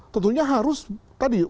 tentunya harus tadi